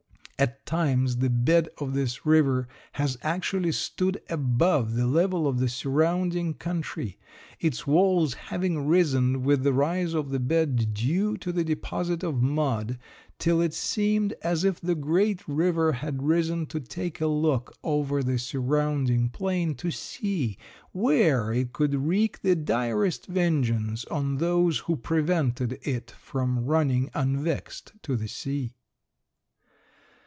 At times the bed of this river has actually stood above the level of the surrounding country, its walls having risen with the rise of the bed due to the deposit of mud till it seemed as if the great river had risen to take a look over the surrounding plain to see where it could wreak the direst vengeance on those who prevented it from running unvexed to the sea.